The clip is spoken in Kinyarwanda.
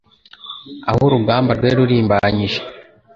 aho urugamba rwari rurimbanyije